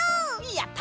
やった！